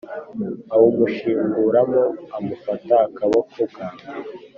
awumushinguramo amufata akaboko bwangu